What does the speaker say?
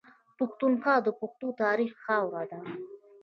پښتونخوا د پښتنو تاريخي خاوره ده.